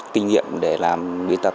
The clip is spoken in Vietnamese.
kinh nghiệm để làm biên tập